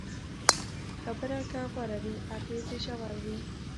خبره که غوره وي، اغېز یې ژور وي.